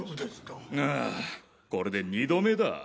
ああこれで二度目だ。